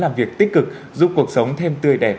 làm việc tích cực giúp cuộc sống thêm tươi đẹp